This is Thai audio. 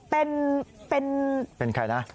เป็นเป็นเป็นใครนะ